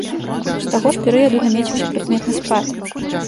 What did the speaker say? З таго ж перыяду намеціўся прыкметны спад.